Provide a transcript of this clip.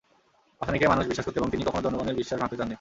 ভাসানীকে মানুষ বিশ্বাস করত এবং তিনি কখনো জনগণের বিশ্বাস ভাঙতে চাননি।